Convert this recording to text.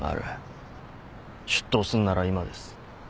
出頭すんなら今です。